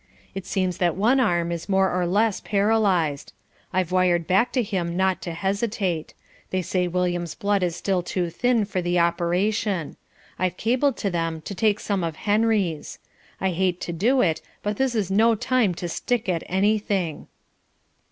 It seems that one arm is more or less paralysed. I've wired back to him not to hesitate. They say William's blood is still too thin for the operation. I've cabled to them to take some of Henry's. I hate to do it, but this is no time to stick at anything."